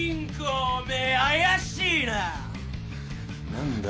何だ？